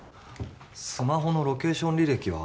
スマホのロケーション履歴は？